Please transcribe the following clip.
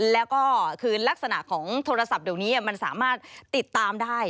แล้วก็คือลักษณะของโทรศัพท์เดี๋ยวนี้มันสามารถติดตามได้